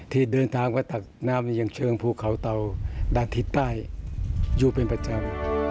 ที่เดินทางไปตักน้ำไปยังเชิงภูเขาเตาด้านทิศใต้อยู่เป็นประจำ